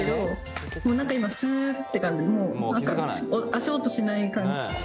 足音しない感じ。